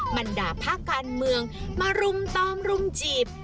บรรดาภาคการเมืองมารุมตอมรุมจีบ